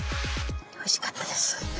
おいしかったです。